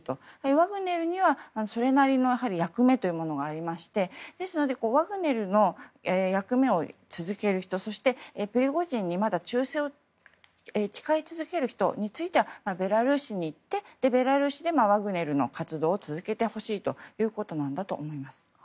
ワグネルには、それなりの役目というものがありましてワグネルの役目を続ける人、そしてプリゴジンにまだ忠誠を誓い続ける人についてはベラルーシに行ってベラルーシでワグネルの活動を続けてほしいということなんだと思います。